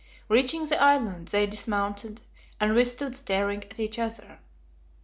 Reaching the island, they dismounted, and we stood staring at each other.